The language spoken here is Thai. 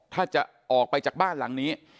ถ้าจะออกไปจากบ้านหลังนี้